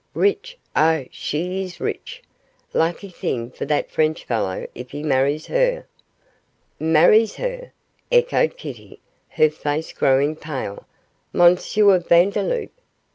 Rich! oh, she is rich! Lucky thing for that French fellow if he marries her.' 'Marries her?' echoed Kitty, her face growing pale. 'M. Vandeloup?